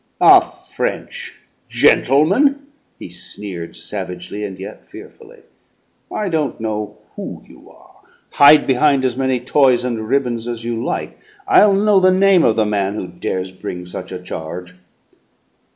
"A French gentleman!" he sneered savagely, and yet fearfully. "I don't know who you are. Hide behind as many toys and ribbons as you like; I'll know the name of the man who dares bring such a charge!"